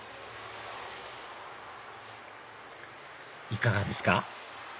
いかがですか？